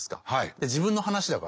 で自分の話だから。